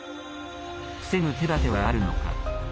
防ぐ手だては、あるのか。